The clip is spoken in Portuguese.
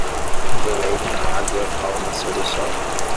Um veleiro na água ao nascer do sol.